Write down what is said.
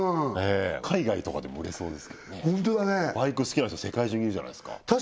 海外とかでも売れそうですけどバイク好きな人世界中いるじゃないすか